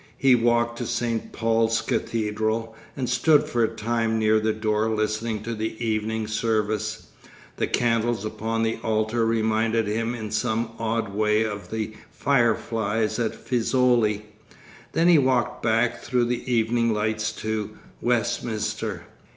He walked to Saint Paul's Cathedral, and stood for a time near the door listening to the evening service. The candles upon the altar reminded him in some odd way of the fireflies at Fiesole. Then he walked back through the evening lights to Westminster.